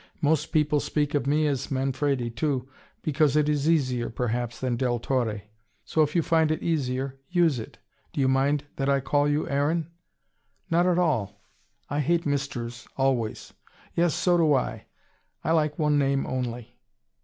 Most people speak of me as Manfredi, too, because it is easier, perhaps, than Del Torre. So if you find it easier, use it. Do you mind that I call you Aaron?" "Not at all. I hate Misters, always." "Yes, so do I. I like one name only."